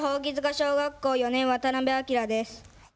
小学校４年、渡辺明です。